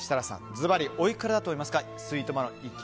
ずばりおいくらだと思いますか？